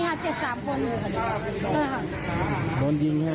ไอ้ฝั่งมันมาบอกให้หนูว่าอย่าไปยิงเด็ก